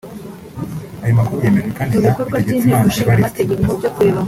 Aya makuru yemejwe kandi na Bitegetsimana Evariste